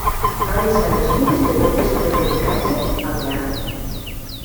Va deixar els estudis de lletres per dedicar-se al teatre.